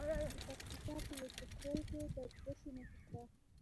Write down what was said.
د پکتیکا په یوسف خیل کې د څه شي نښې دي؟